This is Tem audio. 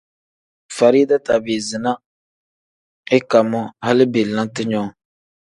Farida tabiizi na ika moo hali belente nyoo.